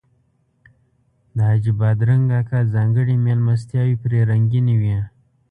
د حاجي بادرنګ اکا ځانګړي میلمستیاوې پرې رنګینې وې.